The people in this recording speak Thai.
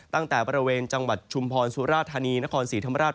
ตั้งแต่บริเวณจังหวัดชุมพรสุราธานีนครศรีธรรมราช